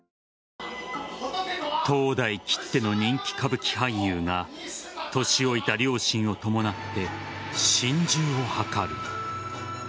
当代きっての人気歌舞伎俳優が年老いた両親を伴って心中を図る。